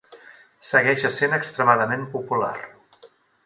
Segueix essent extremadament popular.